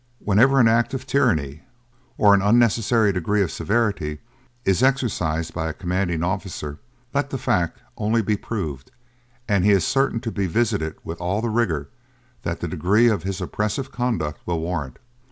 Whenever an act of tyranny, or an unnecessary degree of severity, is exercised by a commanding officer, let the fact only be proved, and he is certain to be visited with all the rigour that the degree of his oppressive conduct will warrant.